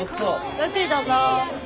ごゆっくりどうぞ。